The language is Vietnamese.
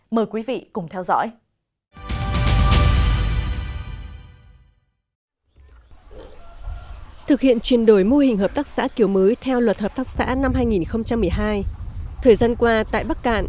mời quý vị cùng theo dõi